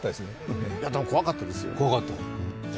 でも怖かったですよ。